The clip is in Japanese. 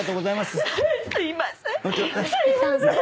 すいません。